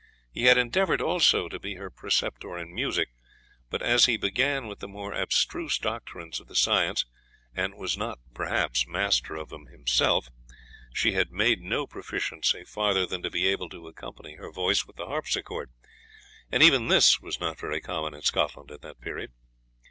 He had endeavoured also to be her preceptor in music; but as he began with the more abstruse doctrines of the science, and was not perhaps master of them himself, she had made no proficiency farther than to be able to accompany her voice with the harpsichord; but even this was not very common in Scotland at that period.